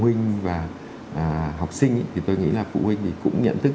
huynh và học sinh thì tôi nghĩ là phụ huynh thì cũng nhận thức